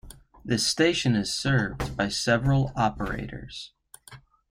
The station is served by several operators.